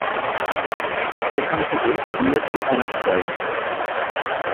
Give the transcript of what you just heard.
এখান থেকে "BSc honours" করেন।